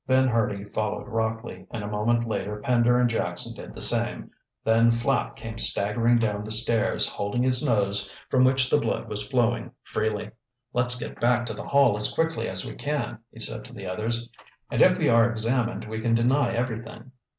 Ben Hurdy followed Rockley, and a moment later Pender and Jackson did the same. Then Flapp came staggering down the stairs, holding his nose, from which the blood was flowing freely. "Let's get back to the Hall as quickly as we can," he said to the others. "And if we are examined, we can deny everything."